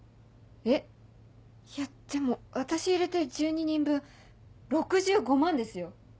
えっいやでも私入れて１２人分６５万ですよ。